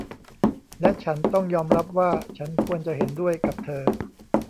และฉันต้องยอมรับว่า ฉันควรจะเห็นด้วยกับเธอ